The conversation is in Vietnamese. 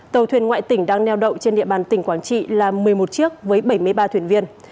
tàu thuyền ngoại tỉnh đang neo đậu trên địa bàn tỉnh quảng trị là một mươi một chiếc với bảy mươi ba thuyền viên